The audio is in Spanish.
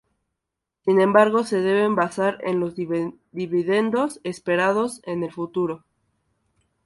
Sin embargo se deben basar en los dividendos esperados en el futuro.